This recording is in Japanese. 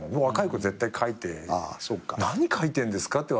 若い子絶対書いて何書いてんですか？